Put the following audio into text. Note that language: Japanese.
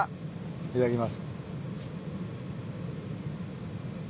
いただきます。